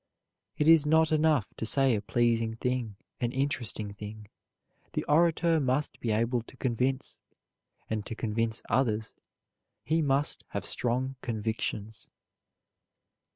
It is not enough to say a pleasing thing, an interesting thing, the orator must be able to convince; and to convince others he must have strong convictions.